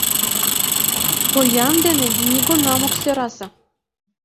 Поян дене нигунам ок сӧрасе.